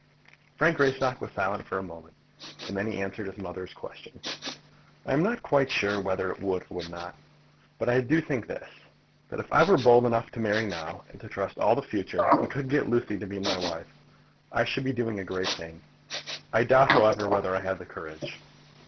Frank Greystock was silent for a moment, and then he answered his mother's question. "I am not quite sure whether it would or would not. But I do think this that if I were bold enough to marry now, and to trust all to the future, and could get Lucy to be my wife, I should be doing a great thing. I doubt, however, whether I have the courage."